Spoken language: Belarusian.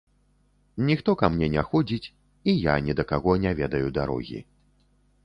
Ніхто ка мне не ходзіць, і я ні да каго не ведаю дарогі.